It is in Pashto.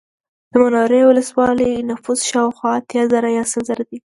د منورې ولسوالۍ نفوس شاوخوا اتیا زره یا سل زره دی